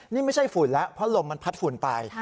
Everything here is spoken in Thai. นี่ไม่ใช่ฝุ่นแล้วเพราะลมมันพัดฝุ่นไป